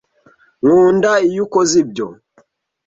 Nkunda iyo ukoze ibyo